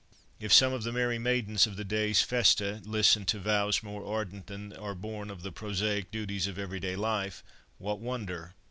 If some of the merry maidens of the day's festa listened to vows more ardent than are born of the prosaic duties of every day life, what wonder?